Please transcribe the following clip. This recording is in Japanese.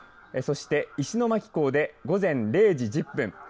そして石巻港で午前０時１０分。